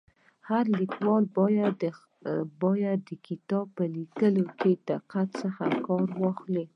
هر لیکوال باید د کتاب په ليکلو کي د دقت څخه کار واخلي.